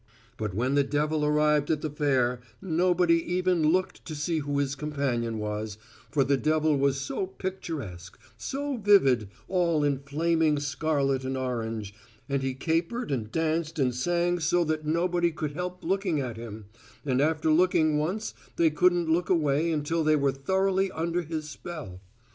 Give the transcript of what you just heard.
But, when the devil arrived at the fair, nobody even looked to see who his companion was, for the devil was so picturesque, so vivid, all in flaming scarlet and orange, and he capered and danced and sang so that nobody could help looking at him and, after looking once, they couldn't look away until they were thoroughly under his spell.